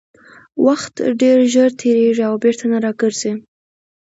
وخت ډېر ژر تېرېږي او بېرته نه راګرځي